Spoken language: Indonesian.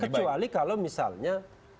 iya kecuali kalau misalnya